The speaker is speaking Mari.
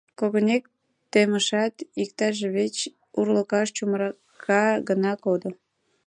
Когынек темышат, иктаж вич урлыкаш чумырка гына кодо.